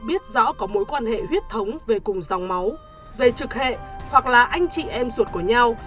biết rõ có mối quan hệ huyết thống về cùng dòng máu về trực hệ hoặc là anh chị em ruột của nhau